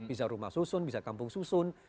bisa rumah susun bisa kampung susun